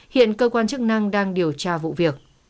hiện cơ quan chức năng đang điều tra vụ việc